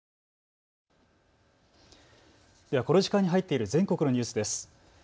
では、この時間に入っている全国のニュースです。